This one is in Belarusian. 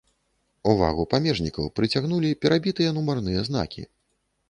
Увагу памежнікаў прыцягнулі перабітыя нумарныя знакі.